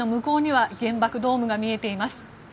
慰霊碑の向こうには原爆ドームが見えています。